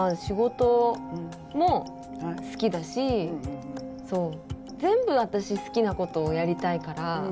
仕事も好きだし全部私好きなことをやりたいから。